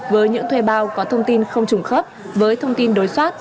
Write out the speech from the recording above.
với những thuê bao có thông tin không trùng khớp với thông tin đối soát